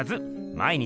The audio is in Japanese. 毎日！